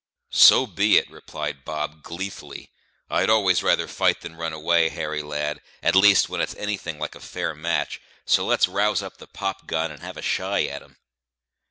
"So be it," replied Bob gleefully. "I'd always rather fight than run away, Harry, lad at least, when it's anything like a fair match; so let's rouse up the pop gun and have a shy at 'em."